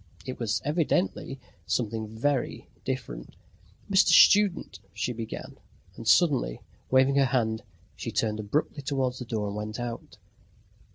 It was evidently something very different. "Mr. Student!" she began, and suddenly, waving her hand, she turned abruptly towards the door and went out.